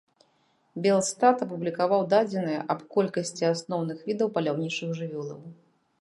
Белстат апублікаваў дадзеныя аб колькасці асноўных відаў паляўнічых жывёлаў.